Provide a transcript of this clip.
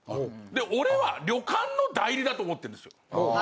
俺は旅館の代理だと思ってるんですよ。